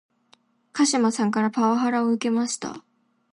鹿島さんからパワハラを受けました